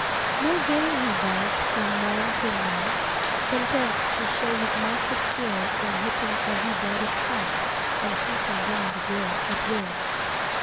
No game he bagged from morn till night, Content to show his master skill In hitting every bird at sight, And shooting down the deer at will.